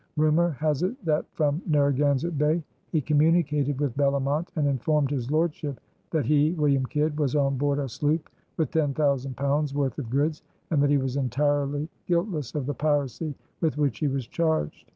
Rumor has it that from Narragansett Bay he communicated with Bellomont and informed his lordship that he, William Kidd, was on board a sloop with ten thousand pounds' worth of goods and that he was entirely guiltless of the piracy with which he was charged.